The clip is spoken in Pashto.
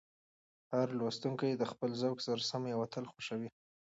هر لوستونکی د خپل ذوق سره سم یو اتل خوښوي.